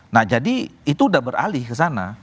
nah jadi itu udah beralih ke sana